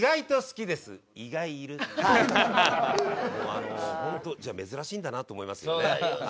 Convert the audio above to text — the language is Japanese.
あのホントじゃあ珍しいんだなって思いますよね。